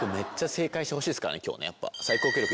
今日ねやっぱ。